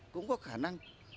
cũng có khả năng